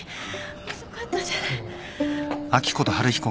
遅かったじゃない。